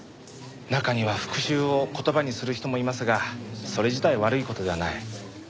中には復讐を言葉にする人もいますがそれ自体悪い事ではない。